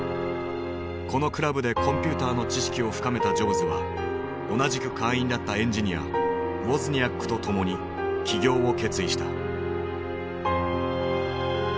このクラブでコンピューターの知識を深めたジョブズは同じく会員だったエンジニアウォズニアックとともに起業を決意した。